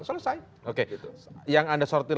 selesai oke yang anda sortir